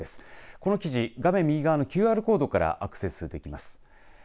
この記事画面右側のＱＲコードからアクセスできます。